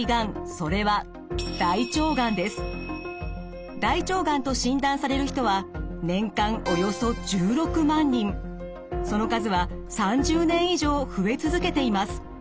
それは大腸がんと診断される人はその数は３０年以上増え続けています。